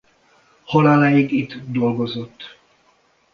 Haláláig itt dolgozott.